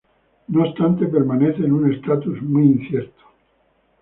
No obstante, permanece en un estatus muy incierto.